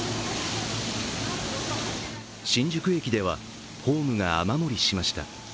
新宿駅ではホームが雨漏りしました。